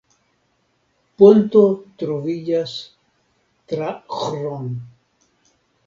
Ponto troviĝas tra Hron.